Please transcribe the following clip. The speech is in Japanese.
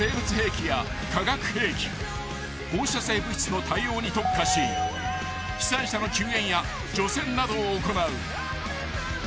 ［の対応に特化し被災者の救援や除染などを行う］